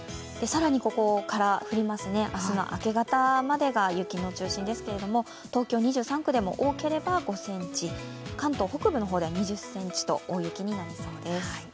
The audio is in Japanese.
更にここから降りますね、明日の明け方までが雪の中心ですけれども、東京２３区でも多ければ５ｃｍ、関東北部の方では２０ｃｍと大雪になりそうです。